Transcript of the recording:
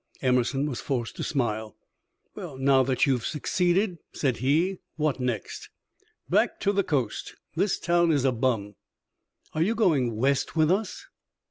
Emerson was forced to smile. "Now that you have succeeded," said he, "what next?" "Back to the Coast. This town is a bum." "Are you going west with us?"